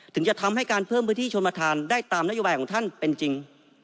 ถึงจะทำให้การเพิ่มพื้นที่ชนประธานได้ตามนโยบายของท่านเป็นจริง